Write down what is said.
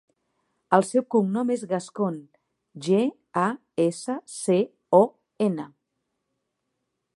El seu cognom és Gascon: ge, a, essa, ce, o, ena.